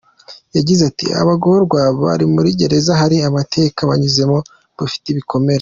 Yagize ati “Abagororwa bari muri gereza hari amateka banyuzemo, bafite ibikomere.